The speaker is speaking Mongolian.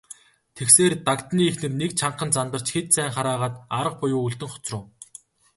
Тэгсээр, Дагданы эхнэр нэг чангахан зандарч хэд сайн хараагаад арга буюу үлдэн хоцров.